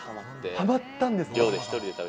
はまったんですか。